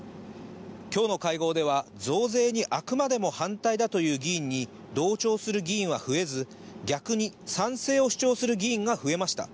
きょうの会合では、増税にあくまでも反対だという議員に同調する議員は増えず、逆に賛成を主張する議員が増えました。